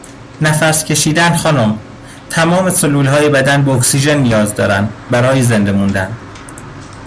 نفس کشیدن خانم تمام سلولهای بدن به اکسیژن نیاز دارن برای زنده موندن